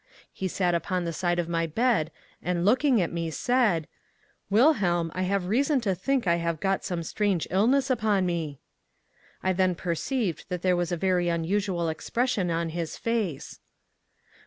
He sat upon the side of my bed, and looking at me, said: 'Wilhelm, I have reason to think I have got some strange illness upon me.' I then perceived that there was a very unusual expression in his face.